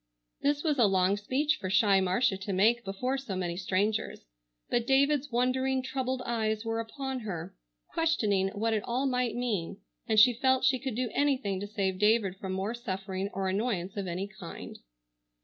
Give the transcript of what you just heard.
This was a long speech for shy Marcia to make before so many strangers, but David's wondering, troubled eyes were upon her, questioning what it all might mean, and she felt she could do anything to save David from more suffering or annoyance of any kind.